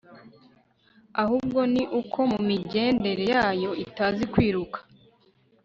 ahubwo ni uko mu migendere yayo itazi kwiruka